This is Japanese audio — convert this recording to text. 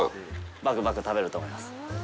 バクバク食べると思います。